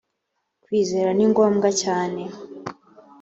kwizera ni ngombwa cyane